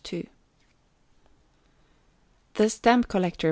_ The Stamp Collector.